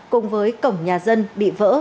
cùng với cổng nhà dân bị vỡ